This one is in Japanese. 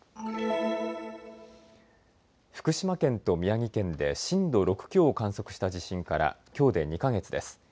福島県と宮城県で震度６強を観測した地震からきょうで２か月です。